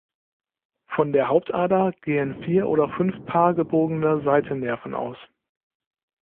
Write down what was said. Von der Hauptader gehen vier oder fünf Paar gebogene Seitennerven aus.